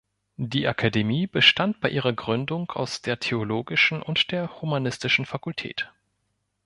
Die Akademie bestand bei ihrer Gründung aus der theologischen und der humanistischen Fakultät.